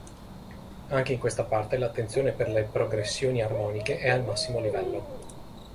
Anche in questa parte l'attenzione per le progressioni armoniche è al massimo livello.